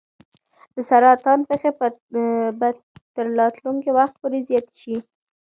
د سرطان پېښې به تر راتلونکي وخت پورې زیاتې شي.